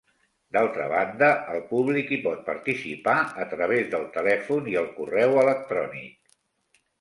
D'altra banda, el públic hi pot participar a través del telèfon i el correu electrònic.